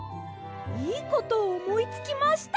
いいことをおもいつきました！